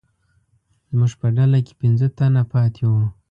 زموږ په ډله کې پنځه تنه پاتې وو.